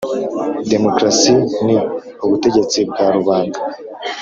demokarasi ni ubutegetsi bwa rubanda.